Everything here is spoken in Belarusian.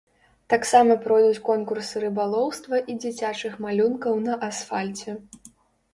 Таксама пройдуць конкурсы рыбалоўства і дзіцячых малюнкаў на асфальце.